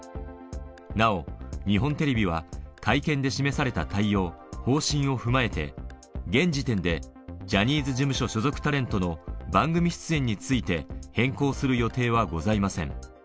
なお、日本テレビは会見で示された対応、方針を踏まえて、現時点でジャニーズ事務所所属タレントの番組出演について、変更する予定はございません。